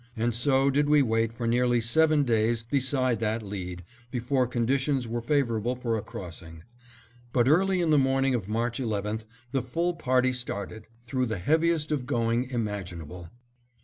And so did we wait for nearly seven days beside that lead, before conditions were favorable for a crossing. But early in the morning of March 11th the full party started; through the heaviest of going imaginable.